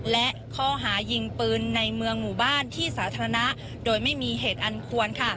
และข้อหายิงปืนในเมืองหมู่บ้านที่สาธารณะโดยไม่มีเหตุอันควร